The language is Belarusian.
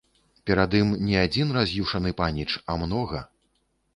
Перад ім не адзін раз'юшаны паніч, а многа.